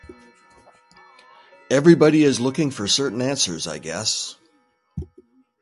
Everybody is looking for certain answers I guess.